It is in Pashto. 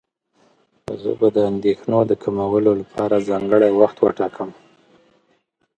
زه به د اندېښنو د کمولو لپاره ځانګړی وخت وټاکم.